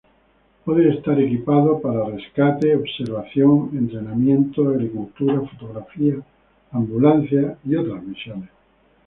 Puede ser equipado para rescate, observación, entrenamiento, agricultura, fotografía, ambulancia y otras misiones.